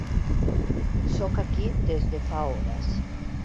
Soc aquí des de fa hores.